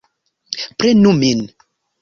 Prenu min!